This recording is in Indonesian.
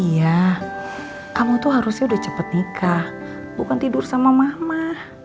iya kamu tuh harusnya udah cepet nikah bukan tidur sama mama